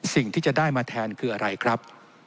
สิ่งที่จะได้มาแทนคืออะไรครับ